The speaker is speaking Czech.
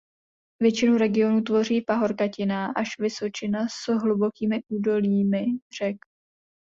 Většinu regionu tvoří pahorkatina až vysočina s hlubokými údolími řek.